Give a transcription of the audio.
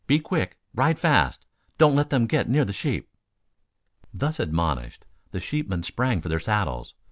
Be quick! Ride fast. Don't let them get near the sheep." Thus admonished, the sheepmen sprang for their saddles.